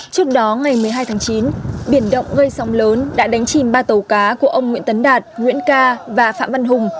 trước đó ngày một mươi hai tháng chín biển động gây sóng lớn đã đánh chìm ba tàu cá của ông nguyễn tấn đạt nguyễn ca và phạm văn hùng